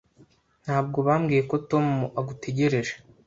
Ntabwo wambwiye ko Tom agutegereje.